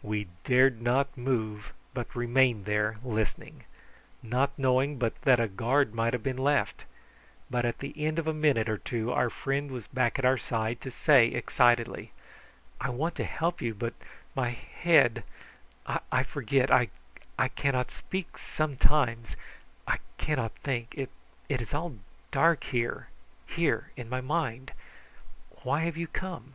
We dared not move, but remained there listening, not knowing but that a guard might have been left; but at the end of a minute or two our friend was back at our side, to say excitedly: "I want to help you, but my head I forget I cannot speak sometimes I cannot think. It is all dark here here in my mind. Why have you come?"